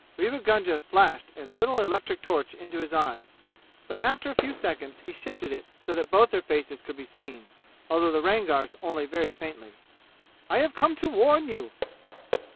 Rewa Gunga flashed a little electric torch into his eyes, but after a few seconds he shifted it so that both their faces could be seen, although the Rangar's only very faintly. "I have come to warn you!"